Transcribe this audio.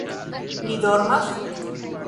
Li dormas?